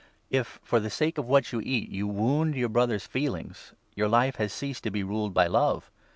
If, for the sake of what you eat, you wound your Brother's 15 feelings, your life has ceased to be ruled by love.